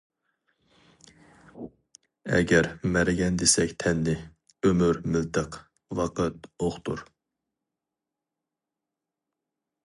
ئەگەر مەرگەن دېسەك تەننى، ئۆمۈر مىلتىق، ۋاقىت ئوقتۇر.